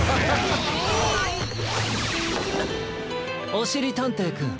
おしりたんていくん。